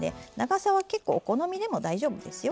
長さは結構お好みでも大丈夫ですよ。